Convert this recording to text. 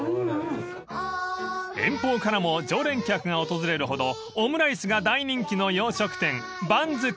［遠方からも常連客が訪れるほどオムライスが大人気の洋食店］